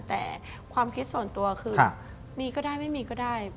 แต่ความคิดส่วนตัวคือมีก็ได้ไม่มีก็ได้